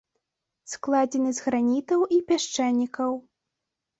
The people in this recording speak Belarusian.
Складзены з гранітаў і пясчанікаў.